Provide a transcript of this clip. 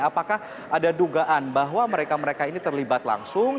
apakah ada dugaan bahwa mereka mereka ini terlibat langsung